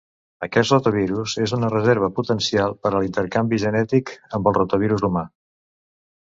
Aquest rotavirus és una reserva potencial per a l'intercanvi genètic amb el rotavirus humà.